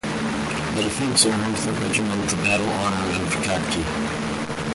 The defence earned the regiment the battle honor of "Khadki".